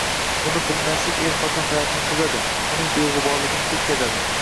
Buni bilmaslik er-xotin hayotini buzadi, uning beg‘uborligini ketkazadi.